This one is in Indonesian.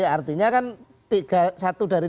artinya kan satu dari